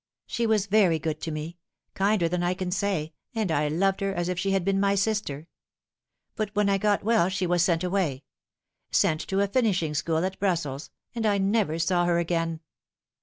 She was very good to me kinder than I can say, and I loved her as if she had been my sister. But when I got well she was sent away sent to a finishing sohool at Brussels, and I never saw her again.